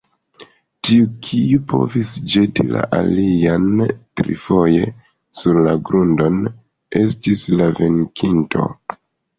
Tiu, kiu povis ĵeti la alian trifoje sur la grundon, estis la venkinto.